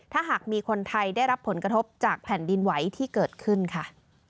ถ้าหากมีคนไทยได้รับผลกระทบจากแผ่นดินไหวที่เกิดขึ้นค่ะ